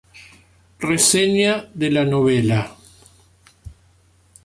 Reseña de la novela